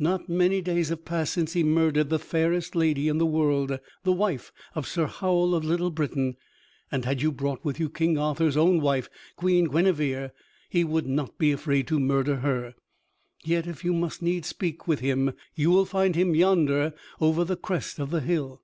Not many days have passed since he murdered the fairest lady in the world, the wife of Sir Howel of Little Britain; and had you brought with you King Arthur's own wife, Queen Guinevere, he would not be afraid to murder her. Yet, if you must needs speak with him, you will find him yonder over the crest of the hill."